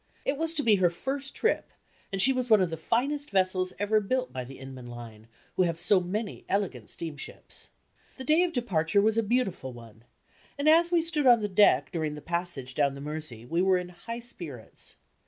It was to be her first trip, and she was one of the finest vessels ever built by the Inman line, who have so many elegant steamships. The day of departure was a beautiful one, and as we stood on the deck during the passage down the Mersey, we were in high spirits.